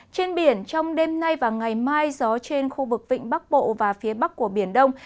trên biển trong đêm nay và ngày mai gió trên khu vực vịnh bắc bộ và phía bắc của biển đông